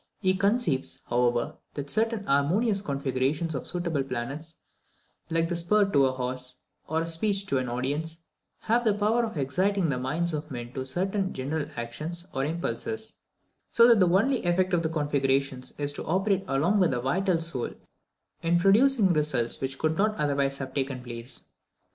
He conceives, however, that certain harmonious configurations of suitable planets, like the spur to a horse, or a speech to an audience, have the power of exciting the minds of men to certain general actions or impulses; so that the only effect of these configurations is to operate along with the vital soul in producing results which would not otherwise have taken place.